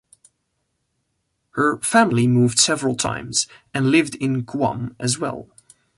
Her family moved several times and lived in Guam as well.